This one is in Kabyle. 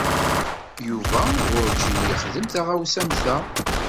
Yuba werǧin yexdim taɣawsa am ta.